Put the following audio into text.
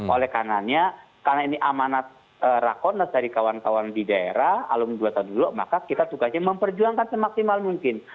oleh karena ini amanat rakonas dari kawan kawan di daerah alumni dua tahun dulu maka kita tugasnya memperjuangkan semaksimal mungkin